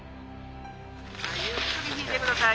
ゆっくり引いてください。